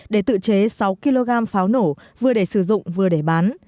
để tự chế sáu kg pháo nổ vừa để sử dụng vừa để bán